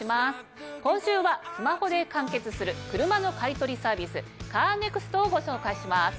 今週はスマホで完結する車の買い取りサービス「カーネクスト」をご紹介します。